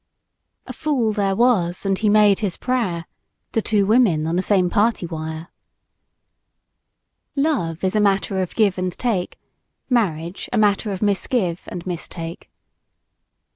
"A fool there was, and he made his prayer" to two women on the same party wire. Love is a matter of give and take marriage, a matter of misgive and mistake.